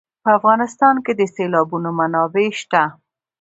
په افغانستان کې د سیلابونه منابع شته.